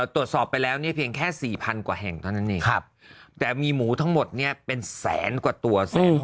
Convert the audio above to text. ตรวจสอบไปแล้วเนี่ยเพียงแค่๔๐๐กว่าแห่งเท่านั้นเองแต่มีหมูทั้งหมดเนี่ยเป็นแสนกว่าตัว